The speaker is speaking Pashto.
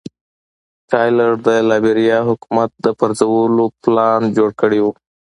ټایلر د لایبیریا حکومت د پرځولو پلان جوړ کړی و.